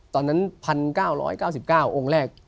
ตอนนั้น๑๙๙๙องค์แรก